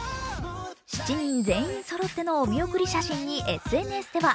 ７人全員そろってのお見送り写真にＳＮＳでは